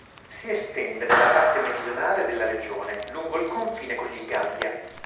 Si estende nella parte meridionale della regione, lungo il confine con il Gambia.